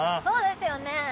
そうですよね。